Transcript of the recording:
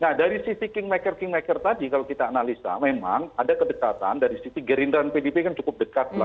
nah dari sisi kingmaker kingmaker tadi kalau kita analisa memang ada kedekatan dari sisi gerindra dan pdp kan cukup dekat lah